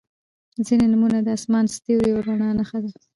• ځینې نومونه د آسمان، ستوریو او رڼا نښه ده.